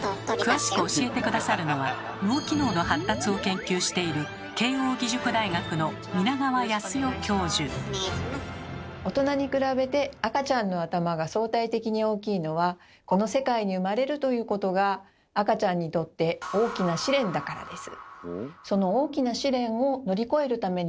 詳しく教えて下さるのは脳機能の発達を研究している大人に比べて赤ちゃんの頭が相対的に大きいのは「この世界に生まれる」ということが赤ちゃんにとって大きな試練だからです。